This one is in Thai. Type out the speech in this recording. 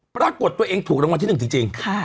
ปรากฏตัวเองถูกรางวัลที่๑จริง